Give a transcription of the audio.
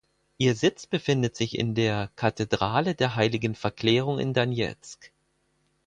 Ihr Sitz befindet sich in der "Kathedrale der Heiligen Verklärung" in Donezk.